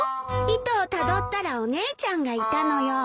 糸をたどったらお姉ちゃんがいたのよ。